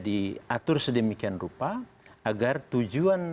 diatur sedemikian rupa agar tujuan